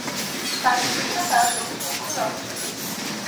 তার ক্ষেত্রটা লোকচক্ষুর অগোচরে।